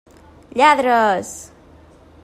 Lladres!